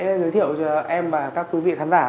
anh sẽ giới thiệu cho em và các quý vị khán giả